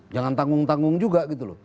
jangan tanggung tanggung juga gitu loh